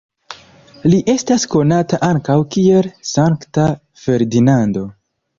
Li estas konata ankaŭ kiel Sankta Ferdinando.